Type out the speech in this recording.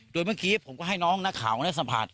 โดยเมื่อกี้ผมก็ให้น้องนักข่าวได้สัมผัส